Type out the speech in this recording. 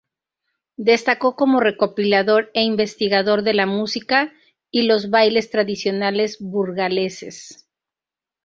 Destacó como recopilador e investigador de la música y los bailes tradicionales burgaleses.